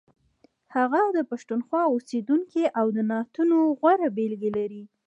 هغه د پښتونخوا اوسیدونکی او د نعتونو غوره بېلګې لري.